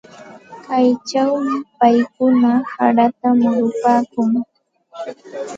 Kaychawmi paykuna harata murupaakun.